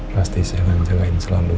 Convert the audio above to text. pasti saya akan jagain selalu